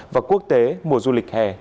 và quốc tế mùa du lịch hè